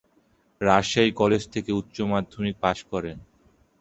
Rajshahi college থেকে উচ্চ মাধ্যমিক পাশ করেন।